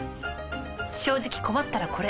正直困ったらこれ。